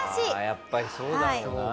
やっぱりそうだろうな。